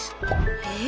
え